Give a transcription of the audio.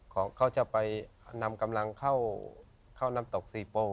เขาจะไปนำกำลังเข้าน้ำตกสี่พ่ง